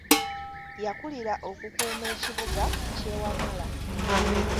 Yakulira okukuuma ekibuga ky’e Wamala.